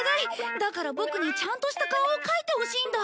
だからボクにちゃんとした顔を描いてほしいんだ。